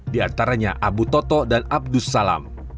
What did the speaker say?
diantaranya abu toto dan abdus salam